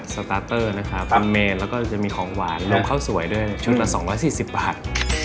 สตาร์เตอร์นะครับทำเมนแล้วก็จะมีของหวานลงข้าวสวยด้วยชุดละ๒๔๐บาท